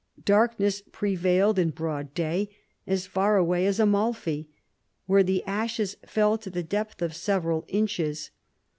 Darkness prevailed in broad day, as far away as Amalfi, where the ashes fell to the depth of several inches.